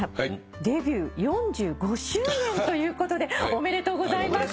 デビュー４５周年ということでおめでとうございます。